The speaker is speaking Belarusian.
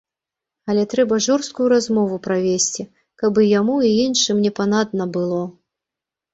Але трэба жорсткую размову правесці, каб і яму, і іншым не панадна было.